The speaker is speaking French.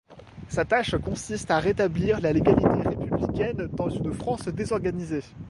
Sa tâche consiste à rétablir la légalité républicaine dans une France désorganisée.